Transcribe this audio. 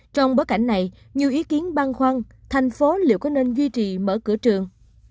trong bối cảnh này nhiều ý kiến băn khoăn thành phố liệu có nên duy trì mở cửa trường